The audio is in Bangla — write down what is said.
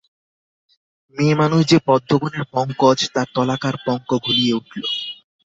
মেয়েমানুষ যে পদ্মবনের পঙ্কজ তার তলাকার পঙ্ক ঘুলিয়ে উঠল।